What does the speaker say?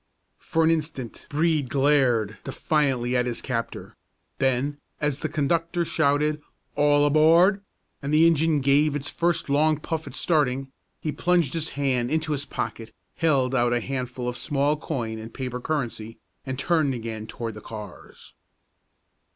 For an instant Brede glared defiantly at his captor; then, as the conductor shouted "All aboard!" and the engine gave its first long puff at starting, he plunged his hand into his pocket, held out a handful of small coin and paper currency, and turned again toward the cars.